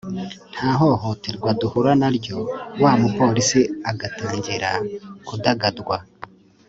nta hohoterwa duhura na ryo wa mu polisi agatangira kudagadwa